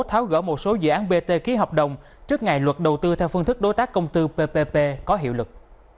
tháo gỡ một số dự án bt ký hợp đồng trước ngày luật đầu tư theo phương thức đối tác công tư ppp có hiệu lực